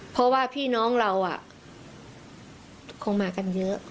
เพราะว่าพี่น้องเราคงมากันเยอะ